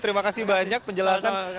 terima kasih banyak penjelasan